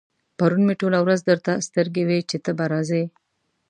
پرون مې ټوله ورځ درته سترګې وې چې ته به راځې.